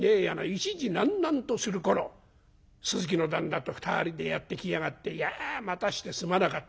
１時なんなんとする頃鈴木の旦那と２人でやって来やがって『いや待たしてすまなかった。